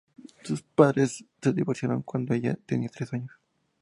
Sus padres se divorciaron cuando ella tenía tres años.